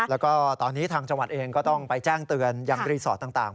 แล้วก็ตอนนี้ทางจังหวัดเองก็ต้องไปแจ้งเตือนยังรีสอร์ทต่าง